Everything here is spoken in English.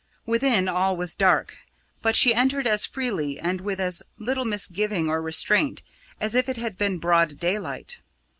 Within all was dark; but she entered as freely and with as little misgiving or restraint as if it had been broad daylight.